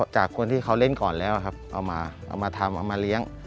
จากคนที่เขาเล่นก่อนแล้วครับเอามาเอามาทำเอามาเลี้ยง